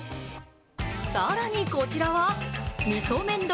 更にこちらは味噌麺処